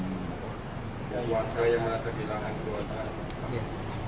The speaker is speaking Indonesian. warga yang merasa hilangkan kewarganya